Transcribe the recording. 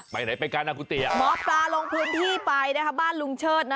ไปไหนไปกันคุติหมอปลาลงพื้นที่ไปบ้านลุงเชิด